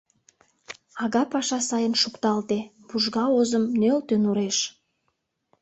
Ага паша сайын шукталте, Вужга озым нӧлтӧ нуреш.